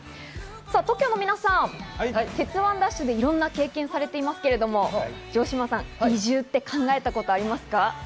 ＴＯＫＩＯの皆さん、『鉄腕！ＤＡＳＨ！！』でいろんな経験をされていますけれども、城島さん、移住を考えたことはありますか？